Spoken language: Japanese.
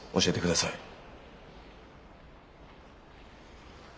教えてください。